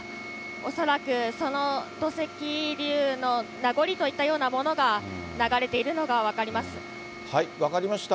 恐らくその土石流の名残といったようなものが、流れているのが分分かりました。